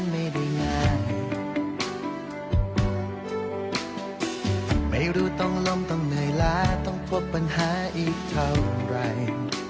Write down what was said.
ไม่รู้ต้องล้มต้องเหนื่อยล้าต้องพบปัญหาอีกเท่าไร